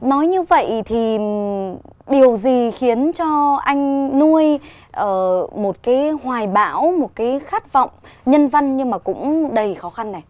nói như vậy thì điều gì khiến cho anh nuôi một cái hoài bão một cái khát vọng nhân văn nhưng mà cũng đầy khó khăn này